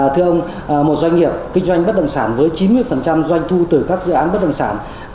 thưa ông một doanh nghiệp kinh doanh bất động sản với chín mươi doanh thu từ các dự án bất động sản